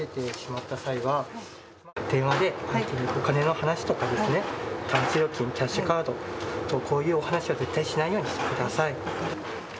電話でお金の話とかキャッシュカード、このような話は絶対にしないようにしてください。